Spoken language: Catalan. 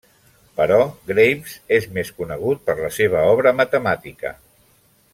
Però Graves és més conegut per la seva obra matemàtica.